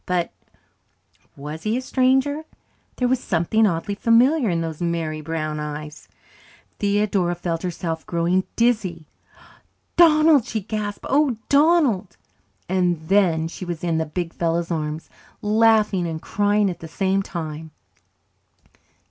But was he a stranger? There was something oddly familiar in those merry brown eyes. Theodora felt herself growing dizzy. "Donald!" she gasped. "Oh, Donald!" And then she was in the big fellow's arms, laughing and crying at the same time.